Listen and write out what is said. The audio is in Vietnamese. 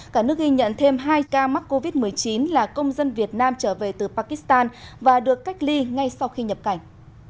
cả nước ghi nhận thêm hai ca mắc covid một mươi chín là công dân việt nam trở về từ pakistan và được cách ly ngay sau khi nhập cảnh